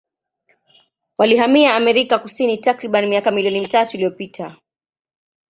Walihamia Amerika Kusini takribani miaka milioni tatu iliyopita.